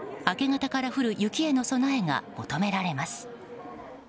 明け方から降る雪への備えが求められます。